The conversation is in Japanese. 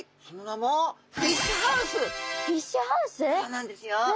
そうなんですよ。